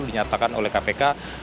dinyatakan oleh kpk